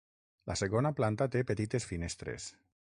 La segona planta té petites finestres.